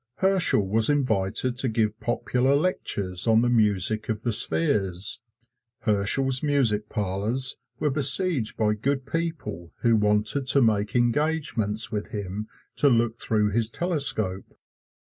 Herschel was invited to give popular lectures on the music of the spheres. Herschel's music parlors were besieged by good people who wanted to make engagements with him to look through his telescope.